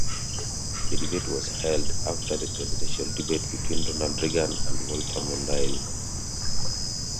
The debate was held after the presidential debate between Ronald Reagan and Walter Mondale.